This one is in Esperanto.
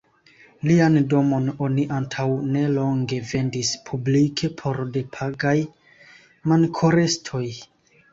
Lian domon oni antaŭ nelonge vendis publike por depagaj mankorestoj.